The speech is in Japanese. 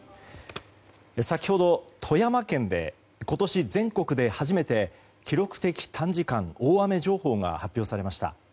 先ほど、富山県で今年、全国で初めて記録的短時間大雨情報が発表されました。